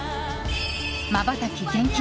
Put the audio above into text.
まばたき厳禁。